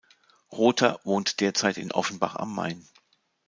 Rother wohnt derzeit in Offenbach am Main.